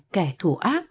kẻ thủ ác